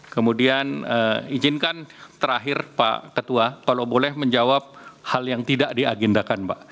kemudian izinkan terakhir pak ketua kalau boleh menjawab hal yang tidak diagendakan pak